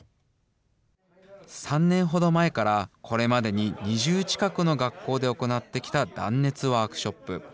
３年ほど前からこれまでに２０近くの学校で行ってきた断熱ワークショップ。